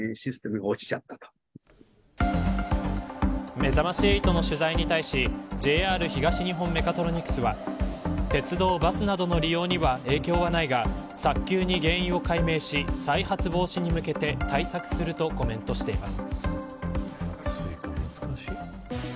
めざまし８の取材に対しＪＲ東日本メカトロニクスは鉄道、バスなどの利用には影響はないが早急に原因を解明し再発防止に向けて対策するとコメントしています。